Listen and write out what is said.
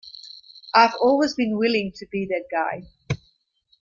I've always been willing to be that guy.